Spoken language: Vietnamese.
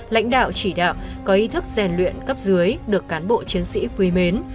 lãnh đạo chỉ đạo có ý thức rèn luyện cấp dưới được cán bộ chiến sĩ quý mến